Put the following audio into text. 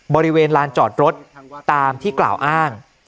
บริเวณลานจอดรถตามที่กล่าวอ้าง